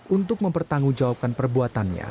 untuk mempertanggungjawabkan perbuatannya